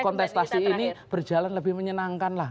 kontestasi ini berjalan lebih menyenangkan lah